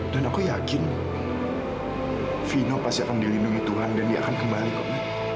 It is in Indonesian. dan aku yakin vino pasti akan dilindungi tuhan dan dia akan kembali kok